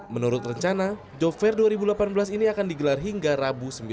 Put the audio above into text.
menurut rencana job fair dua ribu delapan belas ini akan digelar hingga rabu sembilan mei dua ribu delapan belas